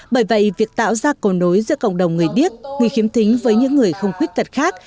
bởi vậy việc tạo ra cầu nối giữa cộng đồng người điếc người khiếm thính với những người không khuyết tật khác